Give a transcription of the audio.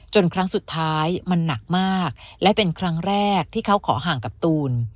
ครั้งสุดท้ายมันหนักมากและเป็นครั้งแรกที่เขาขอห่างกับตูน